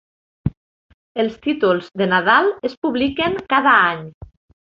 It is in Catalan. Els títols de Nadal es publiquen cada any.